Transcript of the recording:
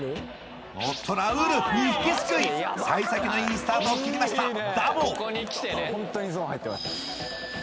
おっとラウール２匹すくい幸先のいいスタートを切りましたダブル！